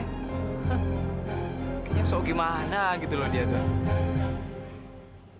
kayaknya so gimana gitu loh dia tuh